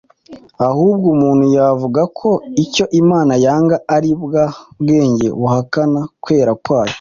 ahubwo umuntu yavuga ko icyo Imana yanga ari bwa bwenge buhakana kwera kwayo